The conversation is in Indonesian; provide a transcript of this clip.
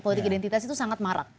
politik identitas itu sangat marak